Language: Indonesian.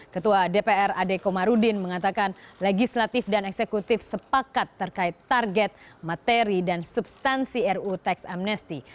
ketua dpr ade komarudin mengatakan legislatif dan eksekutif sepakat terkait target materi dan substansi ruu teks amnesti